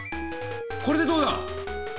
これでどうだ？